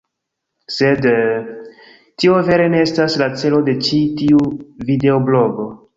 Sed... tio vere ne estas la celo de ĉi tiu videoblogo.